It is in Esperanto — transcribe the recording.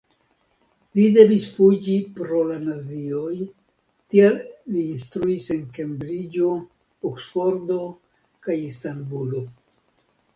Li devis fuĝi pro la nazioj, tial li instruis en Kembriĝo, Oksfordo kaj Istanbulo.